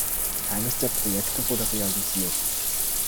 Keines der Projekte wurde realisiert.